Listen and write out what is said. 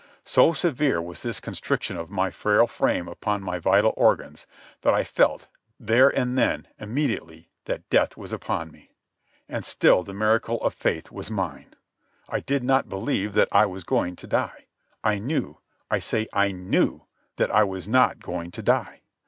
So severe was this constriction of my frail frame upon my vital organs that I felt, there and then, immediately, that death was upon me. And still the miracle of faith was mine. I did not believe that I was going to die. I knew—I say I knew—that I was not going to die.